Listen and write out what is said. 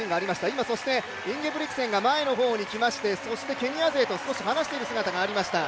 今、インゲブリクセンが前の方に来ましてケニア勢と少し話している姿がありました。